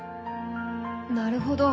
なるほど。